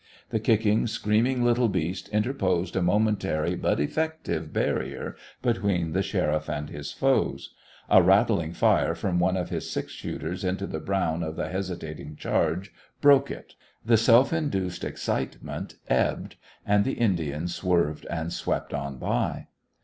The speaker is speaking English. The kicking, screaming, little beast interposed a momentary but effective barrier between the sheriff and his foes. A rattling fire from one of his six shooters into the brown of the hesitating charge broke it. The self induced excitement ebbed, and the Indians swerved and swept on by.